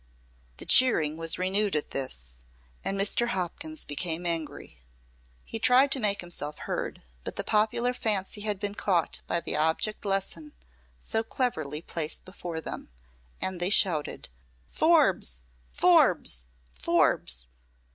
The cheering was renewed at this, and Mr. Hopkins became angry. He tried to make himself heard, but the popular fancy had been caught by the object lesson so cleverly placed before them, and they shouted: "Forbes! Forbes! Forbes!"